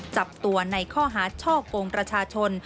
จับตัวในข้อหาช่อกงประชาชน